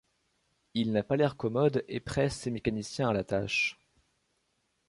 Il n'a pas l'air commode et presse ses mécaniciens à la tâche.